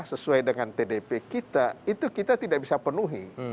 sesuai dengan tdp kita itu kita tidak bisa penuhi